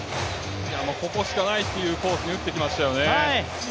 ここしかないっていうコースに打ってきましたよね。